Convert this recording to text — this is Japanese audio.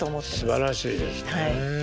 すばらしいですねえ。